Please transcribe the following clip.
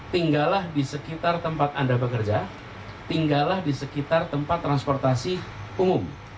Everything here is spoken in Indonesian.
tinggallah di sekitar tempat anda bekerja tinggallah di sekitar tempat transportasi umum